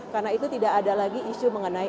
karena itu tidak ada lagi isu mengenai